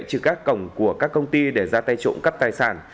trừ các cổng của các công ty để ra tay trộm cắt tài sản